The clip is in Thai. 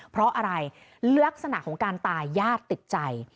เพราะอะไรลักษณะของการตายญาติติดใจ